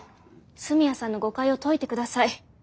住谷さんの誤解を解いて下さい。